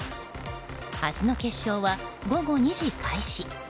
明日の決勝は午後２時開始。